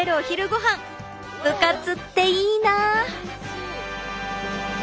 部活っていいな！